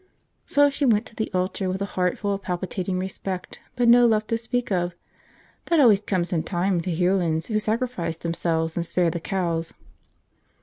So she went to the altar with a heart full of palpitating respect, but no love to speak of; that always comes in time to heroines who sacrifice themselves and spare the cows."